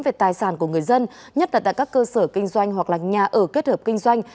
về tài sản của người dân nhất là tại các cơ sở kinh doanh hoặc là nhà ở kết hợp kinh doanh